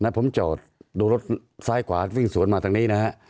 ผมจอดดูรถซ้ายขวาวิ่งสวนมาทางนี้นะฮะ